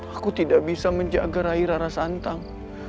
aku tidak bisa menjaga rai rai rana santang